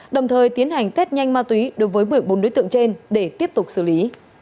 đồng thời tiến hành test nhanh ma túy đối với một mươi bốn đối tượng trên để tiếp tục xử lý